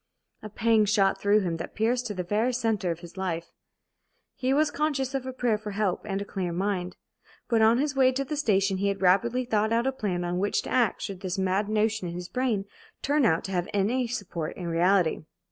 A pang shot through him that pierced to the very centre of life. He was conscious of a prayer for help and a clear mind. But on his way to the station he had rapidly thought out a plan on which to act should this mad notion in his brain turn out to have any support in reality.